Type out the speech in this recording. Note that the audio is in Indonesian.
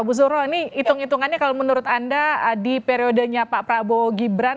bu suro ini hitung hitungannya kalau menurut anda di periodenya pak prabowo gibran